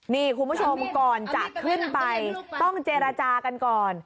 นี่คุณผู้ชมก่อนจะขึ้นไปต้องเจรจากันก่อน